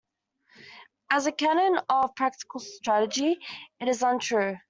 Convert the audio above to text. As a canon of practical strategy, it is untrue.